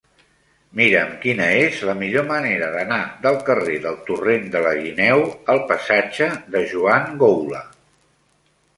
Mira'm quina és la millor manera d'anar del carrer del Torrent de la Guineu al passatge de Joan Goula.